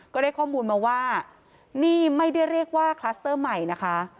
ก็ได้ข้อมูลมาว่านี่ไม่ได้เรียกว่าคลัสเตอร์ใหม่นะคะ